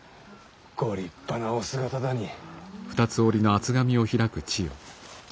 ご立派なお姿だにぃ。